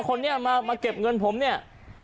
คนนี้มาเก็บเงินผมเนี่ย